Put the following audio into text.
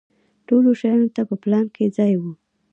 ټولو شیانو ته په پلان کې ځای و.